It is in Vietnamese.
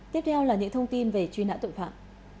tiếp theo là những thông tin về truy nã tội phạm